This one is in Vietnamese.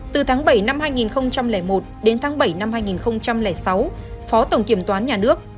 từ tháng bảy năm hai nghìn một đến tháng bảy năm hai nghìn sáu phó tổng kiểm toán nhà nước